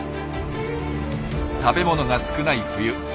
食べ物が少ない冬